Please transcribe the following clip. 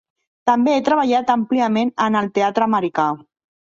També ha treballat àmpliament en el teatre americà.